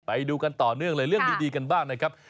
ไปดูกันต่อเนื่องเลยเรื่องดีกันบ้างนะครับ